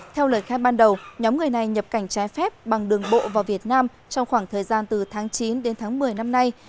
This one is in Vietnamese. theo lời khai ban đầu nhóm người này nhập cảnh trái phép bằng đường bộ vào việt nam trong khoảng thời gian từ tháng chín đến tháng một mươi năm nay